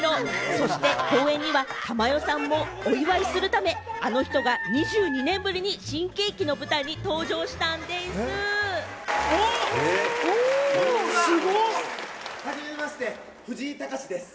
そして公演には珠代さんもお祝いするため、あの人が２２年ぶりに新喜劇の舞台に登場したんでぃす！